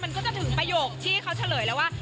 มันก็จะถึงประโยคที่เขาเฉลยแล้วว่า